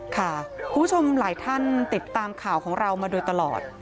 คุณผู้ชมหลายท่านติดตามข่าวของเรามาโดยตลอด